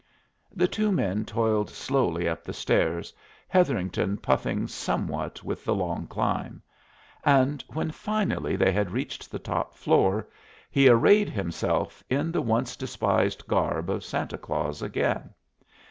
The two men toiled slowly up the stairs, Hetherington puffing somewhat with the long climb; and when finally they had reached the top floor he arrayed himself in the once despised garb of Santa Claus again.